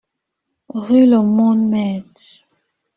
Rue le Moyne, Metz